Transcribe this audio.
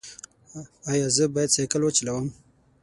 ایا زه باید سایکل وچلوم؟